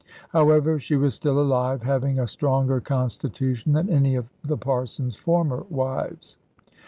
However, she was still alive, having a stronger constitution than any of the Parson's former wives.